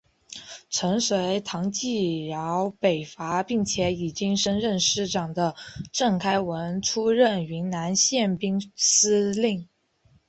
曾随唐继尧北伐并且已经升任师长的郑开文出任云南宪兵司令。